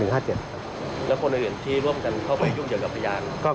แล้วคนอื่นที่ร่วมกันเขาก็ยุ่งเยอะกับพระยาน